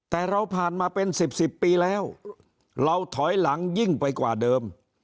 แต่เราผ่านมาเป็น๑๐๑๐ปีแล้วเราถอยหลังยิ่งไปกว่าเดิม